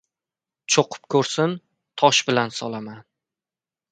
Cho‘qib ko‘rsin, tosh bilan solaman!